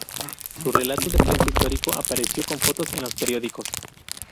Su relato de prensa histórico apareció con fotos en los periódicos.